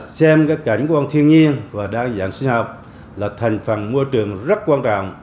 xem các cảnh quan thiên nhiên và đa dạng sinh học là thành phần môi trường rất quan trọng